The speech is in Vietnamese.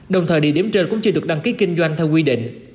đồng thời địa điểm trên cũng chưa được đăng ký kinh doanh theo quy định